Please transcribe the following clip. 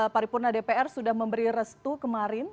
paripurna dpr sudah memberi restu kemarin